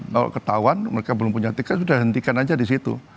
kalau ketahuan mereka belum punya tiket sudah hentikan aja di situ